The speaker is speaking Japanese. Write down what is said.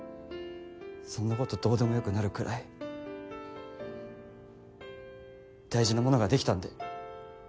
そんなことどうでもよくなるくらい大事なものができたんで。